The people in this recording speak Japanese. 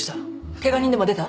ケガ人でも出た？